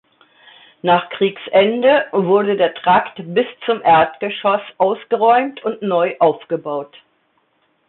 Nach Kriegsende wurde der Trakt bis zum Erdgeschoss ausgeräumt und neu aufgebaut.